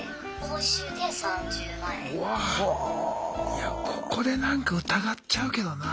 いやここでなんか疑っちゃうけどな。